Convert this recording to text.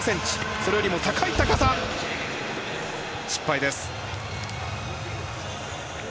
それよりも高い高さ失敗です。